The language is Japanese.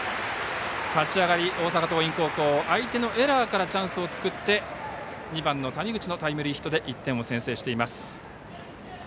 立ち上がり、大阪桐蔭高校相手のエラーからチャンスを作って２番の谷口のタイムリーヒットで１点を先制しています。